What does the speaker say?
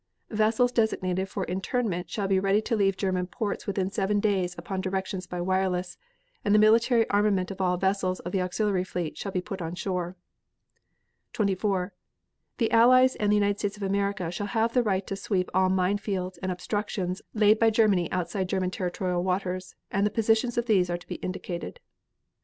Vessels designated for internment, shall be ready to leave German ports within seven days upon directions by wireless, and the military armament of all vessels of the auxiliary fleet shall be put on shore. 24. The Allies and the United States of America shall have the right to sweep all mine fields and obstructions laid by Germany outside German territorial waters, and the positions of these are to be indicated.